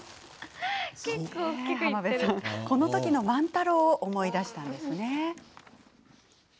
浜辺さんは、この時の万太郎を思い出したんですね。